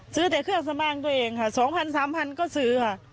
ซื้อแต่เครื่องสม่างตัวเองค่ะสองพันสามพันก็ซื้อค่ะ